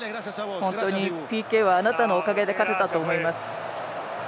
本当にＰＫはあなたのおかげで勝てたと思います。